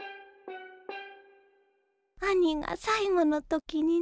兄が最期の時にね。